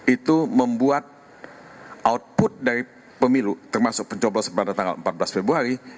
itu membuat output dari pemilu termasuk pencoblosan pada tanggal empat belas februari